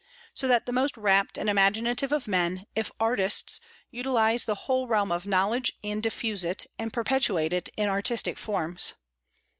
So that the most rapt and imaginative of men, if artists, utilize the whole realm of knowledge, and diffuse it, and perpetuate it in artistic forms.